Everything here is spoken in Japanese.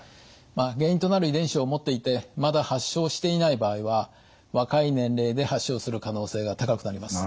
原因となる遺伝子を持っていてまだ発症していない場合は若い年齢で発症する可能性が高くなります。